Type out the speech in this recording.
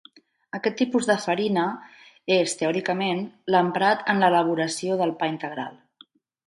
Aquest tipus de farina és, teòricament, l'emprat en l'elaboració del pa integral.